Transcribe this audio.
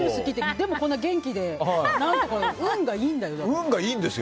でも、こんなに元気で運がいいんだよ。